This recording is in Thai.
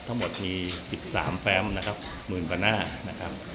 ทั้งหมดมี๑๓แฟมนะครับหมื่นกว่าหน้านะครับ